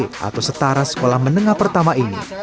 paket b atau setara sekolah menengah pertama ini